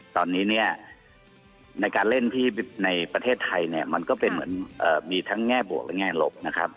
ตอนนี้เนี่ยในการเล่นที่ในประเทศไทยเนี่ยมันก็เป็นเหมือนมีทั้งแง่บวกและแง่ลบนะครับ